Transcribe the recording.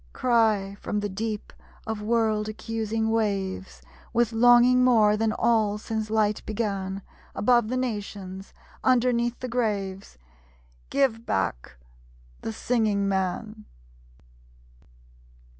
Cry, from the deep of world accusing waves, With longing more than all since Light began, Above the nations, underneath the graves, 'Give back the Singing Man!'